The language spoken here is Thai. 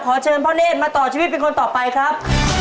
เชิญพ่อเนธมาต่อชีวิตเป็นคนต่อไปครับ